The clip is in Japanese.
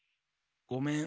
ごめん。